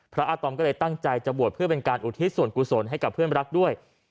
อาตอมก็เลยตั้งใจจะบวชเพื่อเป็นการอุทิศส่วนกุศลให้กับเพื่อนรักด้วย